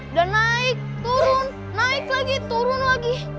udah naik turun naik lagi turun lagi